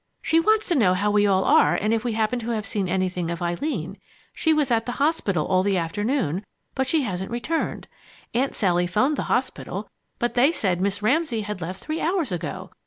"She wants to know how we all are and if we happen to have seen anything of Eileen. She was at the hospital all the afternoon, but she hasn't returned. Aunt Sally 'phoned the hospital, but they said Miss Ramsay had left three hours ago.